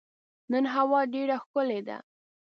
نن هوا ډېره ښکلې ده.